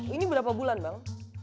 ini berapa bulan bang